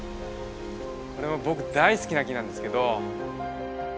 これも僕大好きな木なんですけど。